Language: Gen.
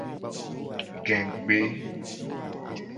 Gegbe.